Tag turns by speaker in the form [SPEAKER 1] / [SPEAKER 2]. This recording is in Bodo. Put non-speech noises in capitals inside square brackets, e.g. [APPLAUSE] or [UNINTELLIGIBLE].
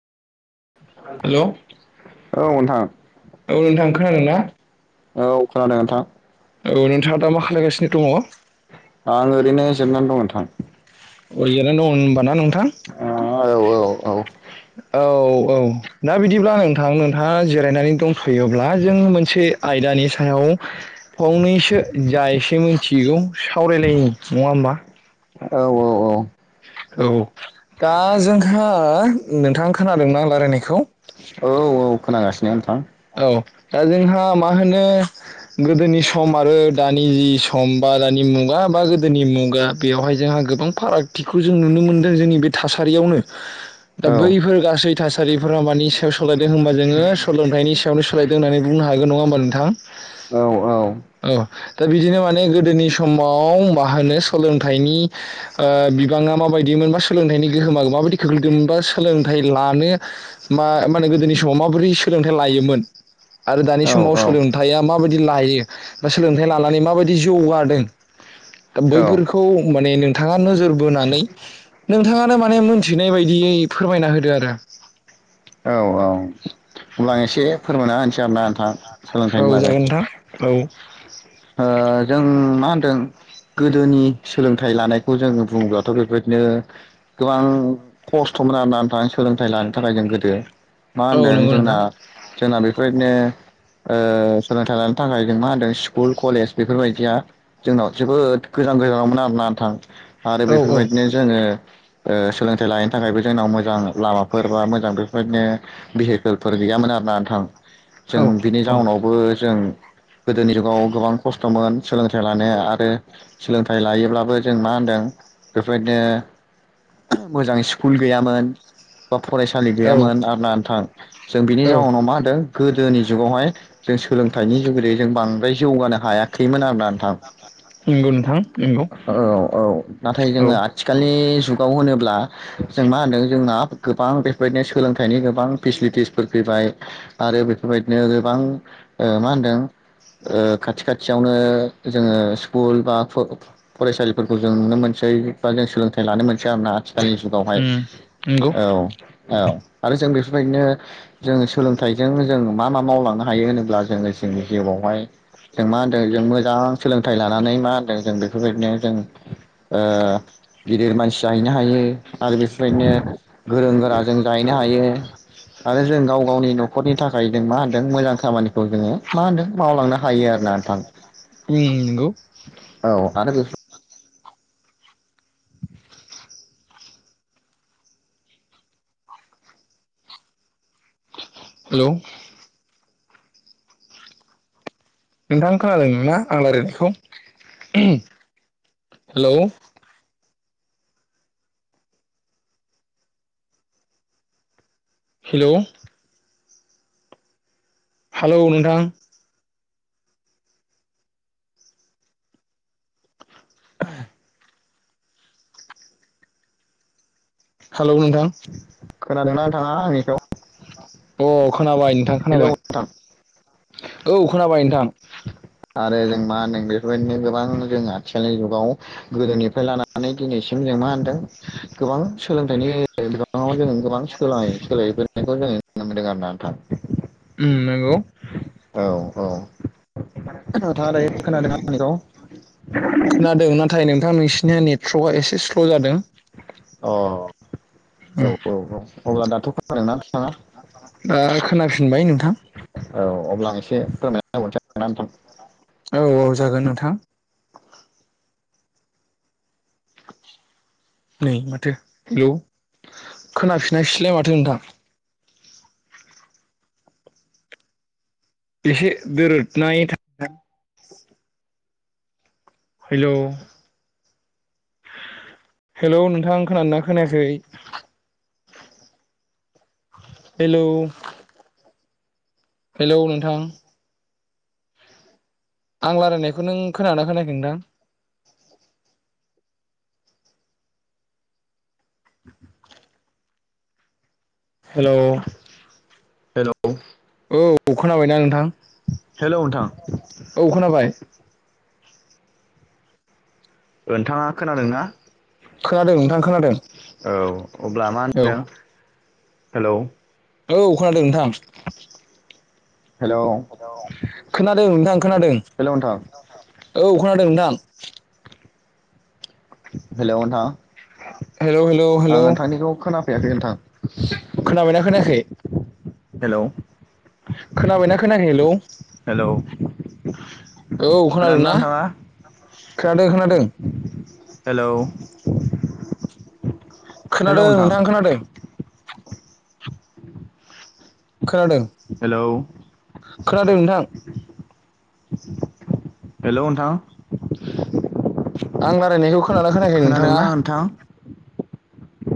[SPEAKER 1] हेलौ
[SPEAKER 2] औ नोंथां
[SPEAKER 1] औ नोंथां खोनादोंना?
[SPEAKER 2] औ खोनादों नोंथां।
[SPEAKER 1] औ नोंथाङा दा मा खालायगासिनो दङ?
[SPEAKER 2] आं ओरैनो जिरनानै दंमोन नोथां।
[SPEAKER 1] ओरैनो जिरायना दं होनबा ना नोंथां।
[SPEAKER 2] औ औ औ
[SPEAKER 1] औ औ
[SPEAKER 2] [INAUDIBLE]
[SPEAKER 1] दा बिदिब्ला नोंथां नोंथाङा जिरायनानै दंफैयोब्ला जों मोनसे आयदानि सायाव। फंनैसो जा एसे मिथिगौ सावरायलायनि नङा होमबा?
[SPEAKER 2] औ
[SPEAKER 1] औ दा जोंहा नोंथां खोनादोंना रायलायनायखौ?
[SPEAKER 2] औ औ खोनांगासिनो नोंथां।
[SPEAKER 1] औ दा जोंहा मा होनो गोदोनि सम आरो दानि जि सम बा बारानि मुगा बा गोदोनि मुगा बेवहाय जोंहा गोबां फारागथिखौ जों नुनो मोनदों जोंनि बे थासारि यावनो दा
[SPEAKER 2] औ
[SPEAKER 1] बैफोर गासै थासारिफोरा मानि सायाव सोलायदों होनबा जोङो सोलोंथाइनि यावनो सोलायदों होननानै बुंनो हागोन नङा होमबा नोंथां।
[SPEAKER 2] औ औ
[SPEAKER 1] औ दा बिदिनो माने गोदोनि समाव मा होनो सोलोंथाइनि ओ बिबां मा बायदिमोन सोलोंथाइनि गोहोमा माबादि खोख्लैदों सोलोंथाइ लानो मा मा होनो गोदोनि समाव माबोरै सोलोंथाइ लायोमोन।
[SPEAKER 2] [INAUDIBLE]
[SPEAKER 1] आरो दानि
[SPEAKER 2] औ
[SPEAKER 1] समाव सोलोंथाइया माबायदि लायो बा सोलोंथाइ लानानै माबायदि जौगादों।
[SPEAKER 2] औ
[SPEAKER 1] बैफोरखौ माने नोंथाङा नोजोर बोनानै नोंथाङानो माने मोनथिनाय बायदि। यै फोरमायना होदो आरो।
[SPEAKER 2] औ होमब्ला आं एसे फोरमायना होनसै आरोना नोंथां
[SPEAKER 1] औ
[SPEAKER 2] सोलोंथाइनि बागै
[SPEAKER 1] जागोन नोंथां औ।
[SPEAKER 2] ओ जों मा होनदों गोदोनि सोलोंथाइ लानायखौ जों बुंङोब्लाथ' बेबायदिनो गोबां खस्थ'मोन आरोना नोंथाङ सोलोंथाइ लानो थाखाय जों गोदो। मा
[SPEAKER 1] औ
[SPEAKER 2] होनदों
[SPEAKER 1] नंगौ
[SPEAKER 2] जोंना
[SPEAKER 1] नोंथां
[SPEAKER 2] जोंना बेफोरबायदिनो सोलोंथाइ लानो थाखाय जों मा होनदों स्कुल कलेज बेफोरबायदिया जोंनाव जोबोद गोजान गोजानावमोन आरोना नोंथां आरो
[SPEAKER 1] औ औ
[SPEAKER 2] बेफोरबायदिनो जोङो सोलोंथाइ लानायनि थाखायबो जोंनाव मोजां लामाफोर बा मोजां बेफोरबायदिनो भेहिकेलफोर गैयामोन आरो ना ओनथां जों
[SPEAKER 1] औ
[SPEAKER 2] बिनि जाउनाव जों गोदोनि गोबां खस्थ'मोन सोलोंथाइ लानाया आरो सोलोंथाइ लायोब्लाबो जों मा होनदों बेफोरदिनो मोजां स्कुल गैयामोन बा फरायसालि
[SPEAKER 1] औ
[SPEAKER 2] गैयामोन आरोन नोंथां जों बिनि
[SPEAKER 1] औ
[SPEAKER 2] जाउनाव मा होदों गोदोनि जुगावहाय जों सोलोंथाइनि जुगैदै जों बांद्राय जौगानो हायाखैमोन दा थाब
[SPEAKER 1] नंगौ नोंथां नंगौ
[SPEAKER 2] औ औ नाथाय
[SPEAKER 1] औ
[SPEAKER 2] जङो आथिखालनि जुगाव होनोब्ला जों मा होनदों जोंना गोबां बेफोरबायदिनो सोलोंथाइनि गोबां फेसिलिटिसफोर आरो बेफोरबायदिनो गोबां मा होनदों खाथि खाथियावनो जोङो स्कुल बा फरायसालिफोरखौ जों नुनो मोनसै बा जों सोलोंथाइ लानो मोनसै आरोना आथिखालनि जुगावहाय
[SPEAKER 1] उम नंगौ
[SPEAKER 2] औ औ आरो जों बेफोरबायदिनो जों सोलोंथाइजों जों मा मा मावलांनो हायो होनोब्ला जोङो जोंनि जिउआवहाय जों मा होनदों जों मोजां सोलोंथाइ लानानै मा होनदों जों बेफोरबायदिनो जों ओ गिदिर मानसि जाहैनो हायो। आरो बिसबायदिनो गोरों गोरा जों जाहैनो हायो आरो जों गाव गावनि न'खरनि। थाखाय जों मा होनदों मोजां खामानिखौ जोङो मा होनदों मावलांनो हायो आर ना नोंथां।
[SPEAKER 1] उम नोंगौ।
[SPEAKER 2] औ आरो बेफ
[SPEAKER 1] हेलौ। नोंथां खोनादों ना आं रायलायनायखौ। हेलौ। हेलौ! हेलौ नोंथां हेलौ नोंथां।
[SPEAKER 2] खोनादोंना नथाङा आंनिखौ?
[SPEAKER 1] अ खोनाबाय नोंथां
[SPEAKER 2] हेलौ
[SPEAKER 1] खोनाबाय।
[SPEAKER 2] नोंथां
[SPEAKER 1] औ खोनाबाय नोंथां।
[SPEAKER 2] आरो जों मा होनदों बेफोरबायदिनो गोबां जों आथिखालनि जुगाव गोदोनिफ्राय लानानै दिनैसिम। जों मा होनदों गोबां सोलोंथाइनि बिबाङाव जों गोबां सोल सोलायबोनायखौ जोङो। नो मोनदों आरोना नोंथां।
[SPEAKER 1] उम नोंगौ।
[SPEAKER 2] औ नोंथाङा दायो खोनादों आंनिखौ
[SPEAKER 1] खोनादों नाथाय नोंथां नोंसिनिया नेटध्रकआ एसे स्ल' जादों।
[SPEAKER 2] अ औ
[SPEAKER 1] उम
[SPEAKER 2] औ औ अब्ला दाथ' फो नादोंना?
[SPEAKER 1] दा खोनाफिनबाय नोंथां
[SPEAKER 2] थाङा औ अब्ला आं एसे फोरमाय। [UNINTELLIGIBLE]
[SPEAKER 1] औ औ जागोन नोंथां।
[SPEAKER 2] [INAUDIBLE]
[SPEAKER 1] नै माथो हेलौ खोनाफिननायसैलाय माथो नोंथां। एसे दोरदनाय था हेलौ हेलौ नोंथां खोदोंना खोनायाखै? हेलौ हेलौ नोंथां। आं लारायनायखौ नों खोनादों खोनायाखै नोंथां? [INAUDIBLE] हेल'?
[SPEAKER 2] हेल'?
[SPEAKER 1] औ खोनाबायना नोंथां?
[SPEAKER 2] हेल' नोंथां।
[SPEAKER 1] औ खोनाबाय
[SPEAKER 2] ओनथाङा खोनादोंना?
[SPEAKER 1] खोनादों नोंथां खोनादों।
[SPEAKER 2] औ अब्ला मा
[SPEAKER 1] औ
[SPEAKER 2] होनदों हेल'?
[SPEAKER 1] औ खोनादों नोंथां।
[SPEAKER 2] हेलौ
[SPEAKER 1] खोनादों नोंथां खोनादों
[SPEAKER 2] हेलौ नोंथां
[SPEAKER 1] औ खोनादों नोंथां।
[SPEAKER 2] हेल' नोंथां।
[SPEAKER 1] हेल' हेल' हेल'
[SPEAKER 2] फैयाखै नोंथां।
[SPEAKER 1] खोनाबायना खोनायाखै?
[SPEAKER 2] हेल'?
[SPEAKER 1] खोनाबायना खोनाखै हेल'?
[SPEAKER 2] हेलौ
[SPEAKER 1] औ खोनादोंना? खोनादों खोनादों।
[SPEAKER 2] हेल'?
[SPEAKER 1] खोनादों नोंथां खोनादों। खोनादों।
[SPEAKER 2] हेल'?
[SPEAKER 1] खोनादों नोंथां।
[SPEAKER 2] हेल' नोंथां?
[SPEAKER 1] आं रालायनायखौ खोनाना खोनायाखै नोंथाङा?
[SPEAKER 2] खोनादोंना नोंथां